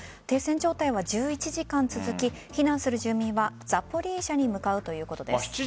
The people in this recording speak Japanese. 停戦状態は１１時間続き避難する住民はザポリージャに向かうということです。